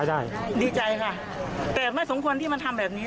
ก็ดีใจค่ะแต่ไม่ที่สมควรไหมที่มันทำแบบนี้